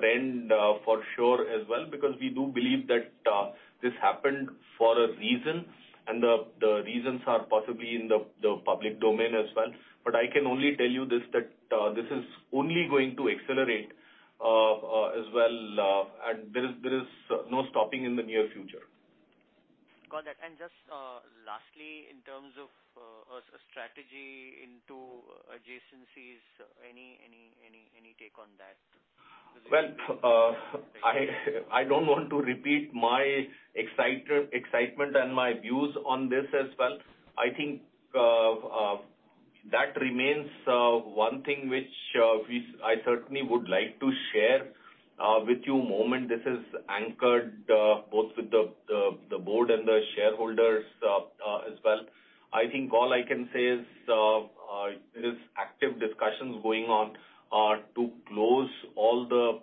trend for sure as well, because we do believe that this happened for a reason, and the reasons are possibly in the public domain as well. I can only tell you this, that this is only going to accelerate as well, and there is no stopping in the near future. Got it. Just lastly, in terms of a strategy into adjacencies, any take on that? Well, I don't want to repeat my excitement and my views on this as well. I think that remains one thing which I certainly would like to share with you at the moment. This is anchored both with the board and the shareholders as well. I think all I can say is there are active discussions going on to close all the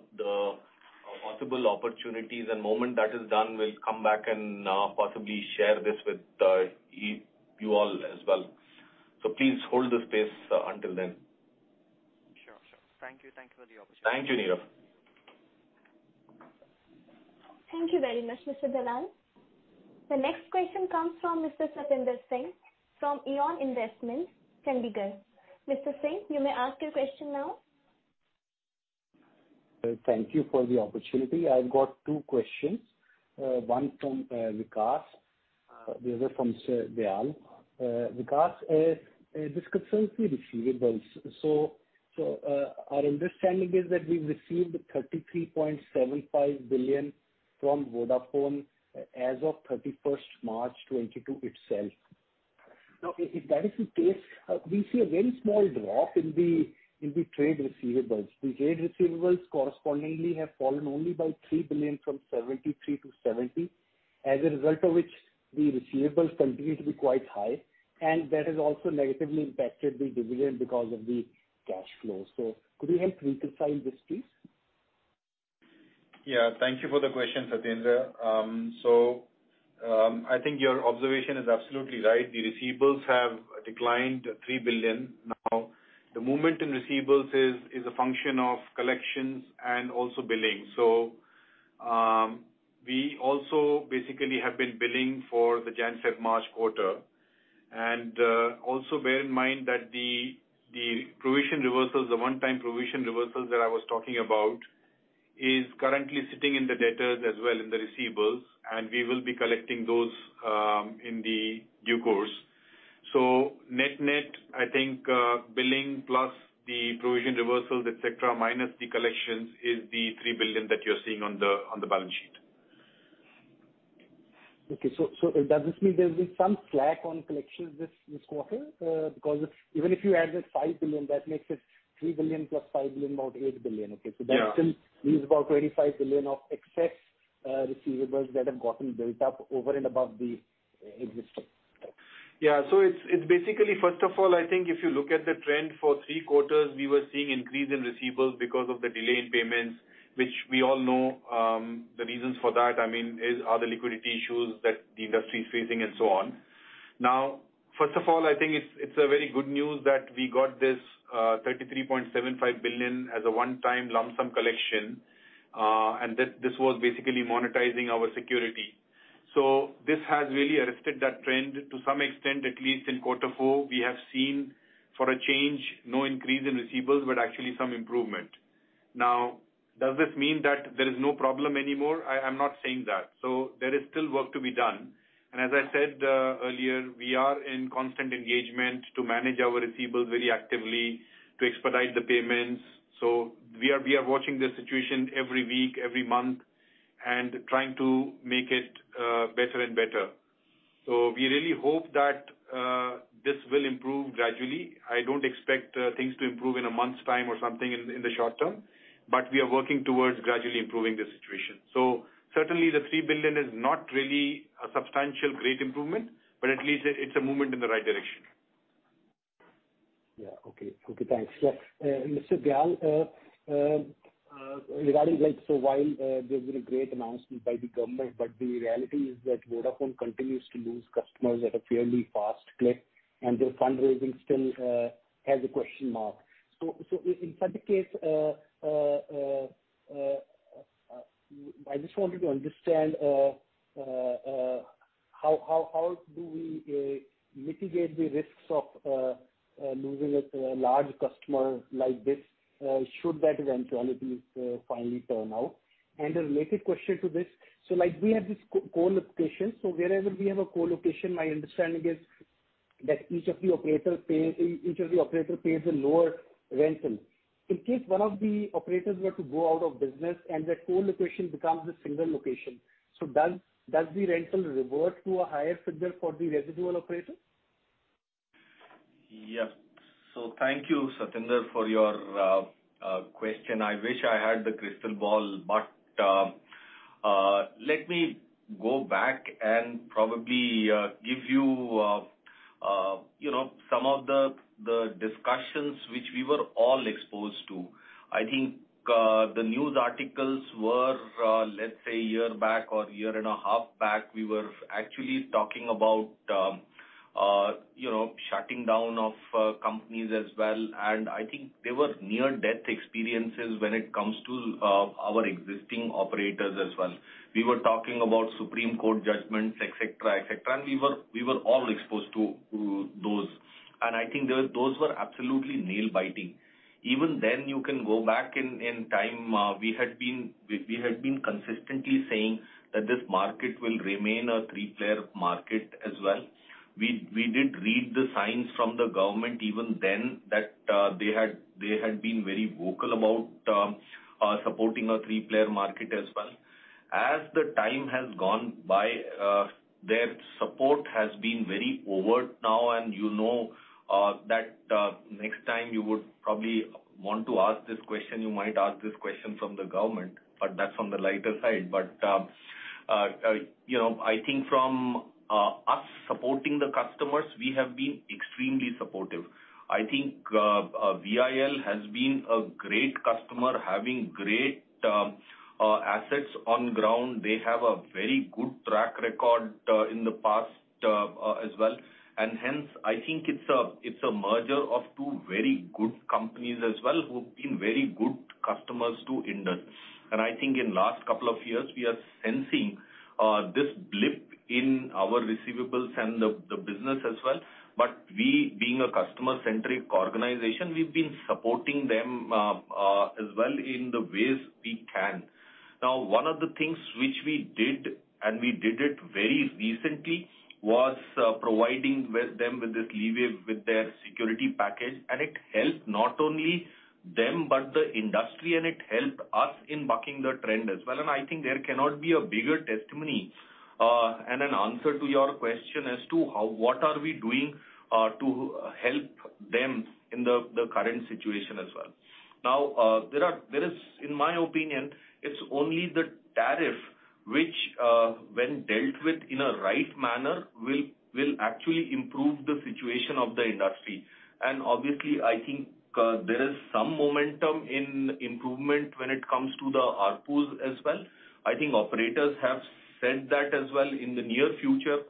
possible opportunities, and the moment that is done, we'll come back and possibly share this with you all as well. Please hold the space until then. Sure. Thank you. Thank you for the opportunity. Thank you, Neerav. Thank you very much, Mr. Dalal. The next question comes from Mr. Satinder Singh from EON Infotech Limited, Chandigarh. Mr. Singh, you may ask your question now. Thank you for the opportunity. I've got two questions, one from Vikas, the other from Mr. Dalal. Vikas, this concerns the receivables. Our understanding is that we've received 33.75 billion from Vodafone as of March 31, 2022 itself. Now if that is the case, we see a very small drop in the trade receivables. The trade receivables correspondingly have fallen only by 3 billion from 73 billion-70 billion, as a result of which the receivables continue to be quite high, and that has also negatively impacted the dividend because of the cash flow. Could you help reconcile this, please? Yeah, thank you for the question, Satinder. I think your observation is absolutely right. The receivables have declined 3 billion. Now, the movement in receivables is a function of collections and also billing. We also basically have been billing for the January, February, March quarter. Also bear in mind that the provision reversals, the one-time provision reversals that I was talking about, is currently sitting in the debtors as well in the receivables, and we will be collecting those in due course. Net-net, I think, billing plus the provision reversals, etc, minus the collections, is the 3 billion that you're seeing on the balance sheet. Okay. Does this mean there's been some slack on collections this quarter? Because even if you add the 5 billion, that makes it 3 billion + 5 billion, about 8 billion. Okay. Yeah. that still leaves about 25 billion of excess receivables that have gotten built up over and above the existing. Yeah. It's basically, first of all, I think if you look at the trend for three quarters, we were seeing increase in receivables because of the delay in payments, which we all know, the reasons for that, I mean, are the liquidity issues that the industry is facing and so on. Now, first of all, I think it's a very good news that we got this 33.75 billion as a one-time lump sum collection, and this was basically monetizing our security. This has really arrested that trend to some extent, at least in quarter four, we have seen for a change, no increase in receivables, but actually some improvement. Now, does this mean that there is no problem anymore? I'm not saying that. There is still work to be done. As I said earlier, we are in constant engagement to manage our receivables very actively, to expedite the payments. We are watching the situation every week, every month, and trying to make it better and better. We really hope that this will improve gradually. I don't expect things to improve in a month's time or something in the short term, but we are working towards gradually improving the situation. Certainly the 3 billion is not really a substantial great improvement, but at least it's a movement in the right direction. Okay, thanks. Mr. Dayal, regarding like, while there's been a great announcement by the government, but the reality is that Vodafone continues to lose customers at a fairly fast clip, and their fundraising still has a question mark. In such a case, I just wanted to understand how do we mitigate the risks of losing a large customer like this should that eventuality finally turn out? And a related question to this. Like we have this co-colocation. Wherever we have a colocation, my understanding is that each of the operator pays a lower rental. In case one of the operators were to go out of business and that colocation becomes a single location, so does the rental revert to a higher figure for the residual operator? Yes. Thank you, Satinder, for your question. I wish I had the crystal ball, but let me go back and probably give you you know some of the discussions which we were all exposed to. I think the news articles were, let's say, a year back or a year and a half back, we were actually talking about, you know, shutting down of companies as well. I think they were near-death experiences when it comes to our existing operators as well. We were talking about Supreme Court judgments, etc, etc, and we were all exposed to those. I think those were absolutely nail-biting. Even then you can go back in time, we had been consistently saying that this market will remain a three-player market as well. We did read the signs from the government even then that they had been very vocal about supporting a three-player market as well. As the time has gone by, their support has been very overt now and you know, that, next time you would probably want to ask this question, you might ask this question from the government, but that's from the lighter side. You know, I think from us supporting the customers, we have been extremely supportive. I think VIL has been a great customer having great assets on ground. They have a very good track record in the past as well. Hence, I think it's a merger of two very good companies as well, who've been very good customers to Indus. I think in last couple of years, we are sensing this blip in our receivables and the business as well. We being a customer-centric organization, we've been supporting them, as well in the ways we can. Now, one of the things which we did, and we did it very recently, was providing them with this leeway with their security package, and it helped not only them, but the industry, and it helped us in bucking the trend as well. I think there cannot be a bigger testimony, and an answer to your question as to how, what are we doing, to help them in the current situation as well. Now, there is, in my opinion, it's only the tariff which, when dealt with in a right manner, will actually improve the situation of the industry. Obviously, I think, there is some momentum in improvement when it comes to the ARPU as well. I think operators have said that as well in the near future,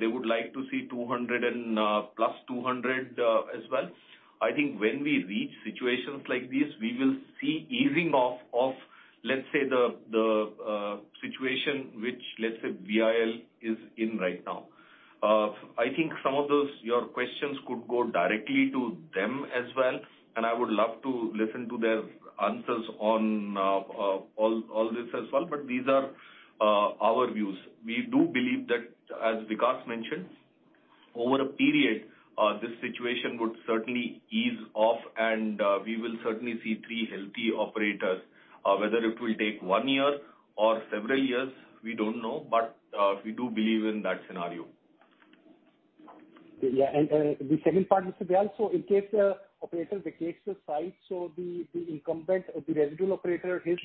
they would like to see 200 + 200 as well. I think when we reach situations like this, we will see easing off of, let's say, the situation which, let's say, VIL is in right now. I think some of those your questions could go directly to them as well, and I would love to listen to their answers on all this as well. These are our views. We do believe that, as Vikas mentioned, over a period, this situation would certainly ease off and we will certainly see three healthy operators. Whether it will take one year or several years, we don't know, but we do believe in that scenario. The second part, Mr. Dayal, so in case the operator vacates the site, the incumbent or the residual operator, his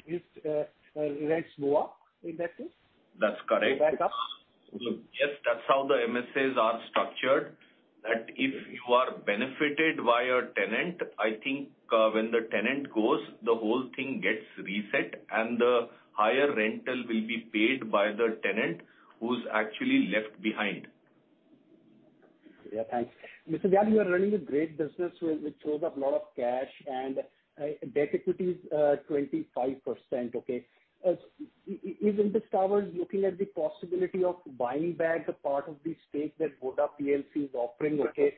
rents go up in that case? That's correct. Go back up. Look, yes, that's how the MSAs are structured, that if you are benefited by a tenant, I think, when the tenant goes, the whole thing gets reset, and the higher rental will be paid by the tenant who's actually left behind. Yeah, thanks. Mr. Dayal, you are running a great business which shows up a lot of cash and, debt equity is 25%, okay? Is Indus Towers looking at the possibility of buying back the part of the stake that Vodafone Group Plc is offering, okay?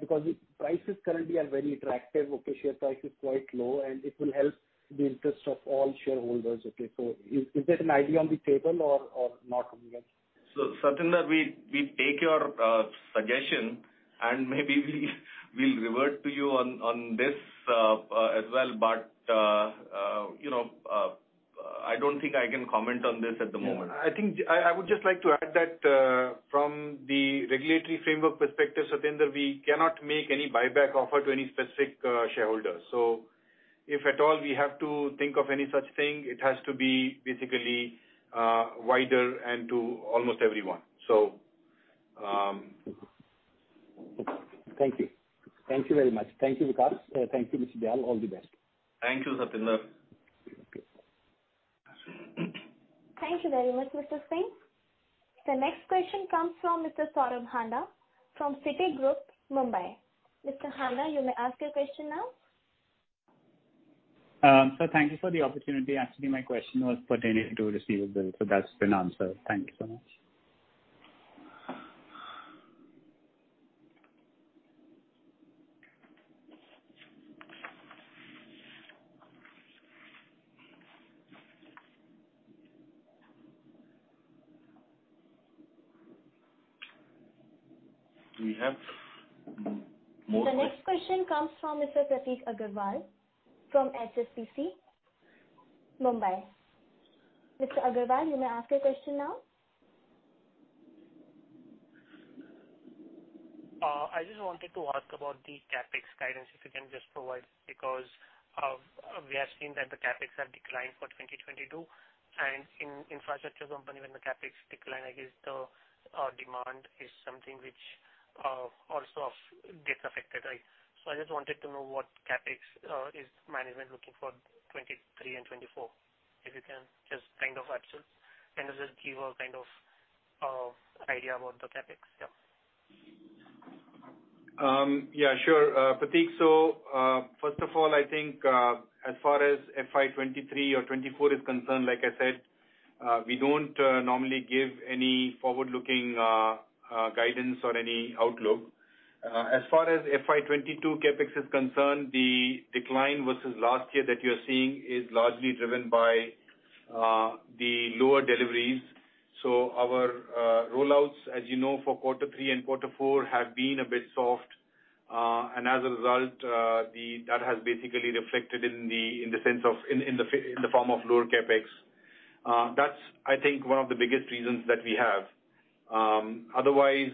Because prices currently are very attractive, okay, share price is quite low, and it will help the interest of all shareholders, okay. Is there an idea on the table or not on the table? Satinder, we take your suggestion, and maybe we'll revert to you on this, you know, I don't think I can comment on this at the moment. Yeah. I think I would just like to add that, from the regulatory framework perspective, Satinder, we cannot make any buyback offer to any specific shareholder. If at all we have to think of any such thing, it has to be basically wider and to almost everyone. Thank you. Thank you very much. Thank you, Vikas. Thank you, Mr. Dayal. All the best. Thank you, Satinder. Okay. Thank you very much, Mr. Singh. The next question comes from Mr. Saurabh Handa from Citigroup, Mumbai. Mr. Handa, you may ask your question now. Thank you for the opportunity. Actually, my question was pertaining to receivables. That's been answered. Thank you so much. Do we have more que- The next question comes from Mr. Pratik Agarwal from HSBC, Mumbai. Mr. Agarwal, you may ask your question now. I just wanted to ask about the CapEx guidance, if you can just provide, because we have seen that the CapEx have declined for 2022. In infrastructure company, when the CapEx decline, I guess the demand is something which also gets affected, right? I just wanted to know what CapEx is management looking for 2023 and 2024. If you can just kind of can you just give a kind of idea about the CapEx? Yeah. Yeah, sure, Pratik. First of all, I think, as far as FY 2023 or 2024 is concerned, like I said, we don't normally give any forward-looking guidance or any outlook. As far as FY 2022 CapEx is concerned, the decline versus last year that you're seeing is largely driven by the lower deliveries. Our roll-outs, as you know, for quarter three and quarter four have been a bit soft. As a result, that has basically reflected in the form of lower CapEx. That's I think one of the biggest reasons that we have. Otherwise,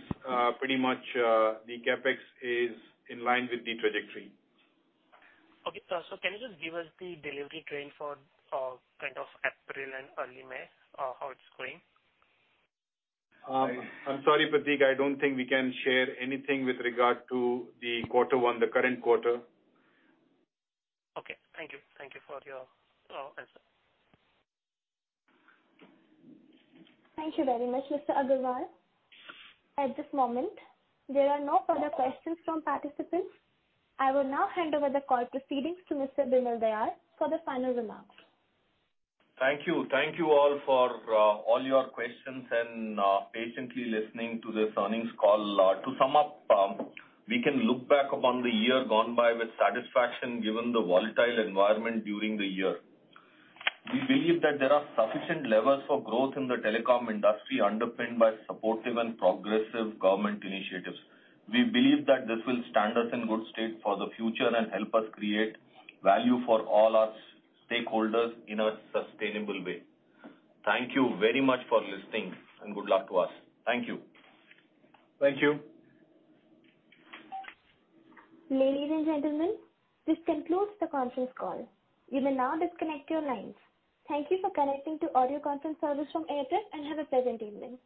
pretty much, the CapEx is in line with the trajectory. Can you just give us the delivery trend for kind of April and early May, how it's going? I'm sorry, Pratik, I don't think we can share anything with regard to the quarter one, the current quarter. Okay. Thank you. Thank you for your answer. Thank you very much, Mr. Agarwal. At this moment, there are no further questions from participants. I will now hand over the call proceedings to Mr. Bimal Dayal for the final remarks. Thank you. Thank you all for all your questions and patiently listening to this earnings call. To sum up, we can look back upon the year gone by with satisfaction, given the volatile environment during the year. We believe that there are sufficient levels of growth in the telecom industry underpinned by supportive and progressive government initiatives. We believe that this will stand us in good stead for the future and help us create value for all our stakeholders in a sustainable way. Thank you very much for listening and good luck to us. Thank you. Thank you. Ladies and gentlemen, this concludes the conference call. You may now disconnect your lines. Thank you for connecting to audio conference service from Airtel and have a pleasant evening.